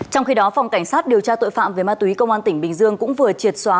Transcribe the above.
trong khi đó phòng cảnh sát điều tra tội phạm về ma túy công an tỉnh bình dương cũng vừa triệt xóa